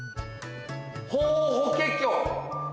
ホーホケキョ。